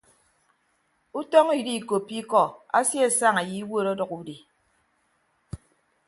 Utọñ idiikoppo ikọ asiesaña ye iwuot ọdʌk udi.